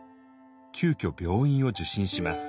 急きょ病院を受診します。